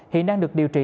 hiện đang được điều trị